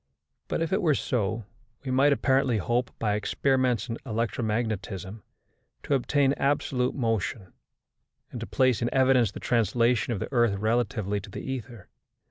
But if it were so, we might apparently hope, by experiments in electromagnetism, to obtain absolute motion, and to place in evidence the translation of the earth relatively to the ether.